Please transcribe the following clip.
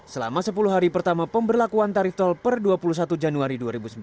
selama sepuluh hari pertama pemberlakuan tarif tol per dua puluh satu januari dua ribu sembilan belas